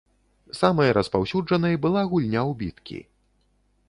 Самай распаўсюджанай была гульня ў біткі.